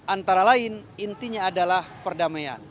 antara lain intinya adalah perdamaian